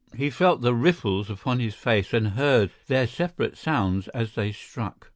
He felt the ripples upon his face and heard their separate sounds as they struck.